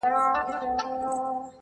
o راوړې فریسو یې د تن خاوره له باګرامه,